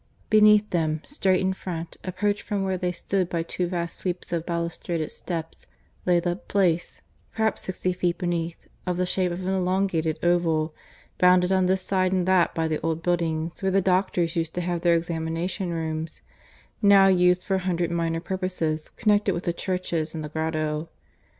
Beneath them, straight in front, approached from where they stood by two vast sweeps of balustraded steps, lay the Place, perhaps sixty feet beneath, of the shape of an elongated oval, bounded on this side and that by the old buildings where the doctors used to have their examination rooms, now used for a hundred minor purposes connected with the churches and the grotto.